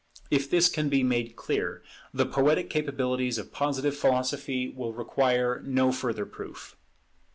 If this can be made clear, the poetic capabilities of Positive Philosophy will require no further proof.